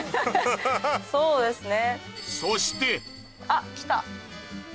そうですね。